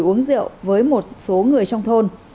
mà vẫn tiếp tục ngồi uống rượu với một số người trong thôn